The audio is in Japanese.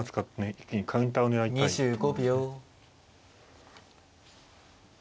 一気にカウンターを狙いたいとこですね。